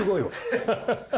ハハハハ。